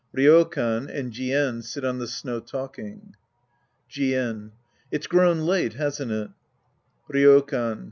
RySkan and Jien sit on the snow talking!) Jien. It's grown late, hasn't it ? Rydkan.